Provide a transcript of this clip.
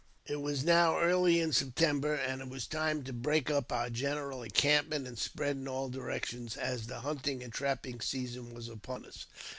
It was now early in September, and it was time to break u| our general encampment, and spread in all directions, as th« hunting and trapping season was upon us.